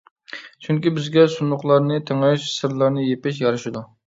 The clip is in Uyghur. چۈنكى بىزگە سۇنۇقلارنى تېڭىش، سىرلارنى يېپىش يارىشىدۇ.